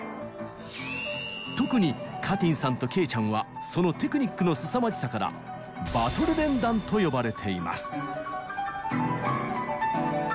特にかてぃんさんとけいちゃんはそのテクニックのすさまじさからバトル連弾と呼ばれています。